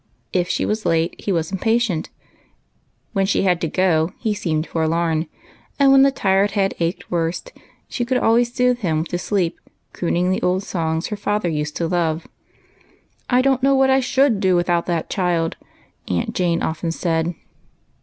If she w^as late, he was impatient ; when she had to go, he seemed for lorn ; and when the tired head ached worst, she could always soothe him to sleej), crooning the old songs her father used to love. " I don't know what I should do without that child," Aunt Jane often said.